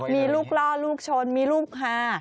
มีลูกล่อลูกชนมีลูกหา